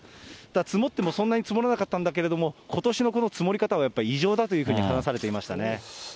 積もってもそんなに積もらなかったんだけども、ことしのこの積もり方は異常だというふうに話されていましたね。